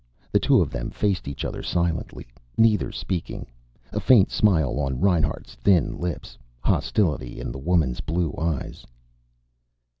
The two of them faced each other silently, neither speaking, a faint smile on Reinhart's thin lips, hostility in the woman's blue eyes.